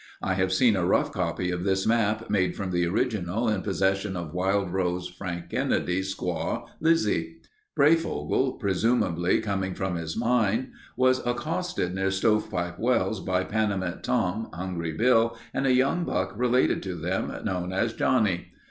I have seen a rough copy of this map made from the original in possession of "Wildrose" Frank Kennedy's squaw, Lizzie. Breyfogle presumably coming from his mine, was accosted near Stovepipe Wells by Panamint Tom, Hungry Bill, and a young buck related to them, known as Johnny.